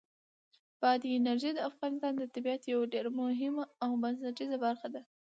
بادي انرژي د افغانستان د طبیعت یوه ډېره مهمه او بنسټیزه برخه ده.